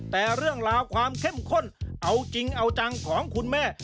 แต่เรื่องราวความเข้มข้นเอาจริงเอาจังของคุณแม่